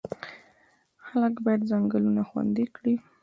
خلک باید ځنګلونه خوندي کړي.